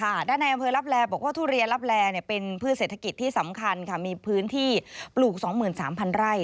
ด้านในอำเภอลับแลบอกว่าทุเรียนลับแลเป็นพืชเศรษฐกิจที่สำคัญค่ะมีพื้นที่ปลูกสองหมื่นสามพันไร่